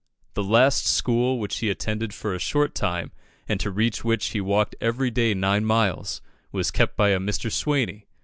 The last school which he attended for a short time, and to reach which he walked every day nine miles, was kept by a Mr. Swaney.